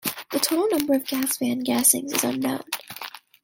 The total number of gas van gassings is unknown.